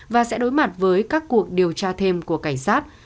và sẽ đối mặt với các cuộc điều tra thêm của cảnh sát